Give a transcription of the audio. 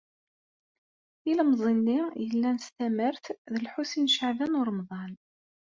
Ilemẓi-nni yellan s tamart d Lḥusin n Caɛban u Ṛemḍan.